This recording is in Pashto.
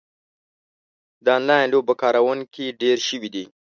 د انلاین لوبو کاروونکي ډېر شوي دي.